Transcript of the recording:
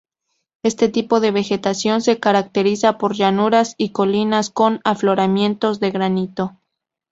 Este tipo de vegetación se caracteriza por llanuras y colinas con afloramientos de granito.